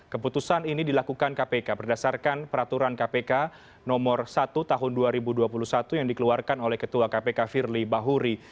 keputusan ini dilakukan kpk berdasarkan peraturan kpk nomor satu tahun dua ribu dua puluh satu yang dikeluarkan oleh ketua kpk firly bahuri